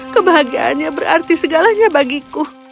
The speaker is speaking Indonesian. kebahagiaannya berarti segalanya bagiku